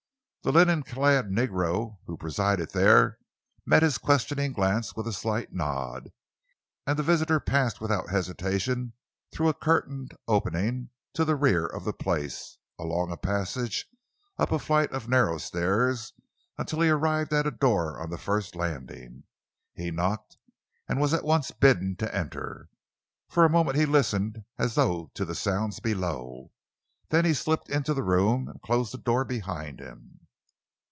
The linen clad negro who presided there met his questioning glance with a slight nod, and the visitor passed without hesitation through a curtained opening to the rear of the place, along a passage, up a flight of narrow stairs until he arrived at a door on the first landing. He knocked and was at once bidden to enter. For a moment he listened as though to the sounds below. Then he slipped into the room and closed the door behind him.